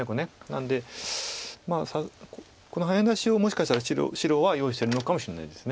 なのでこのハネ出しをもしかしたら白は用意してるのかもしれないです。